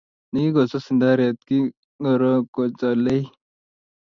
Nekikosus ndaret kingoro kocholei